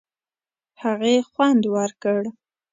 هغې خوند ورکړ.